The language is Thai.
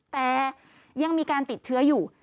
แต่ยังมีการติดเชื้ออยู่